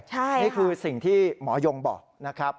นี่คือสิ่งที่หมอยงบอกนะครับ